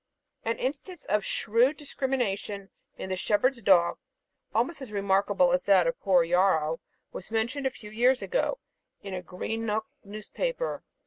An instance of shrewd discrimination in the shepherd's dog, almost as remarkable as that of poor Yarrow, was mentioned a few years ago in a Greenock newspaper.